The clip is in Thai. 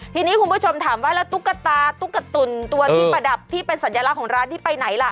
ทีนี้คุณผู้ชมถามว่าแล้วตุ๊กตาตุ๊กตุ๋นตัวที่ประดับที่เป็นสัญลักษณ์ของร้านที่ไปไหนล่ะ